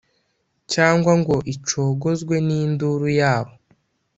cyangwa ngo icogozwe n’induru yabo.